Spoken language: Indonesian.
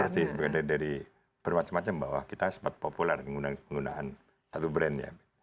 bersih berbeda dari bermacam macam bahwa kita sempat populer menggunakan satu brand ya